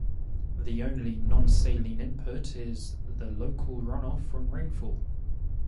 The only non-saline input is the local run-off from rainfall.